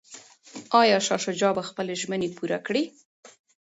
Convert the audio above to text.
ایا شاه شجاع به خپلي ژمني پوره کړي؟